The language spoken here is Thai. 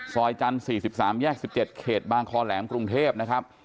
ซอยจันทร์๔๓แยก๑๗เขตบางคอแหลมกรุงเทพนะครับ